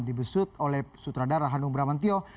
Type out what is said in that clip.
dibesut oleh sutradara hanum bramantio